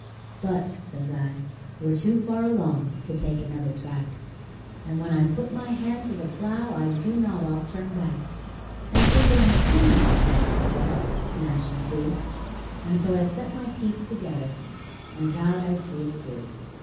"But," says I, "we're too far along to take another track, And when I put my hand to the plow I do not oft turn back; And 'tain't an uncommon thing now for couples to smash in two;" And so I set my teeth together, and vowed I'd see it through.